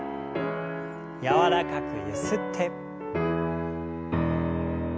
柔らかくゆすって。